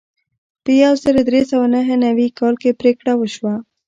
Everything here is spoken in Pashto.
په یو زر درې سوه نهه نوي کال کې پریکړه وشوه.